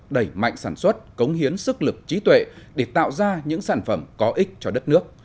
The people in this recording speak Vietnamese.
đẩy mạnh sản xuất cống hiến sức lực trí tuệ để tạo ra những sản phẩm có ích cho đất nước